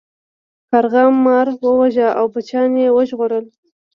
کارغه مار وواژه او بچیان یې وژغورل.